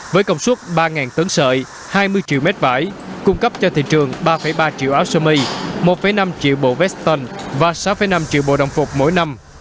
với công suất ba tấn sợi hai mươi triệu mét vải cung cấp cho thị trường ba ba triệu áo sơ mi một năm triệu bộ veston và sáu năm triệu bộ đồng phục mỗi năm